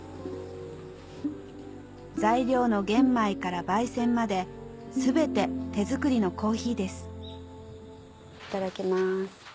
材料の玄米から焙煎まで全て手作りの珈琲ですいただきます。